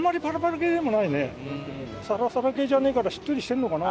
サラサラ系じゃねえからしっとりしてるのかな。